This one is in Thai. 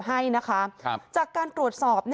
ให้นะคะจากการตรวจสอบ